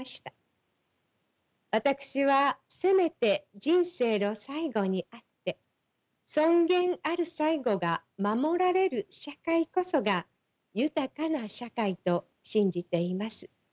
私はせめて人生の最期にあって尊厳ある最期が守られる社会こそが豊かな社会と信じています。